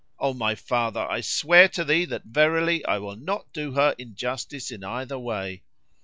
"O my father! I swear to thee that verily I will not do her injustice in either way."